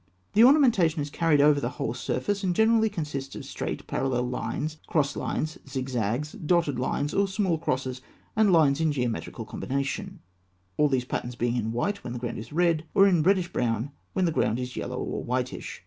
The ornamentation is carried over the whole surface, and generally consists of straight parallel lines, cross lines, zigzags, dotted lines, or small crosses and lines in geometrical combination; all these patterns being in white when the ground is red, or in reddish brown when the ground is yellow or whitish.